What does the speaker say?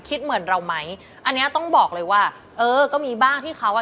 คิดเหมือนเราไหมอันเนี้ยต้องบอกเลยว่าเออก็มีบ้างที่เขาอ่ะ